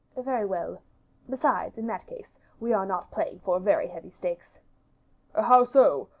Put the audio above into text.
"Very well. Besides, in this case, we are not playing for very heavy stakes." "How so?